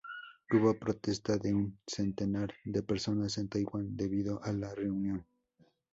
Hubo protesta de un centenar de personas en Taiwán debido a la reunión.